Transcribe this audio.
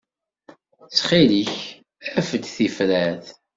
Ttxil-k, af-d tifrat.